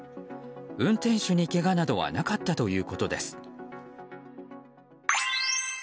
運転手にけがなどはなかったということです。